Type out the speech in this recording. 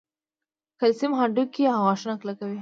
کلسیم هډوکي او غاښونه کلکوي